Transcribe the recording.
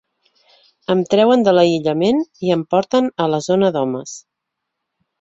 Em treuen de l’aïllament i em porten a la zona d’homes.